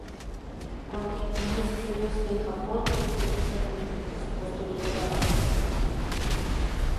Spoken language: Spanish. Continuó sus estudios en Japón, que influyó fuertemente su posterior trabajo.